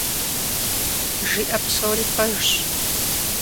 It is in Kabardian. Жиӏэ псори пэжщ.